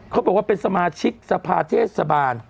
เขาบอกว่าเป็นสมาชิกสภาเทศบาล